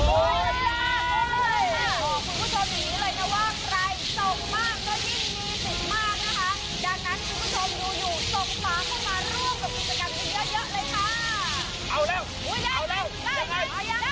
โอ้ยค่ะบอกคุณผู้ชมอย่างนี้เลยนะว่า